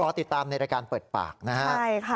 รอติดตามในรายการเปิดปากนะครับ